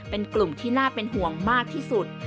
เป็นกลุ่มที่น่าเป็นห่วงมากที่สุด